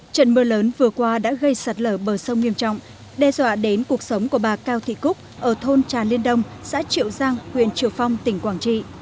trận mưa lớn vừa qua đã gây sạt lở bờ sông nghiêm trọng đe dọa đến cuộc sống của bà cao thị cúc ở thôn trà liên đông xã triệu giang huyện triệu phong tỉnh quảng trị